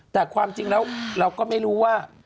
แต่ความจริงแล้วเราก็ไม่รู้ว่า